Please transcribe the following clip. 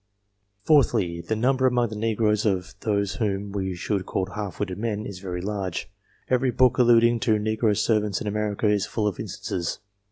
Fourthly, the number among the negroes of those whom v we should call half witted men is very large. Every book alluding to negro servants in America is full of instances.